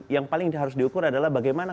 yang paling harus diukur adalah bagaimana